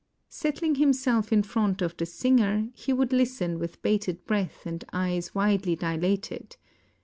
Settling himself in front of the singer, he would listen with bated breath and eyes widely dilated.